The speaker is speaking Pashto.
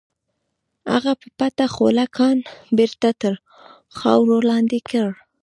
هغه په پټه خوله کان بېرته تر خاورو لاندې کړ.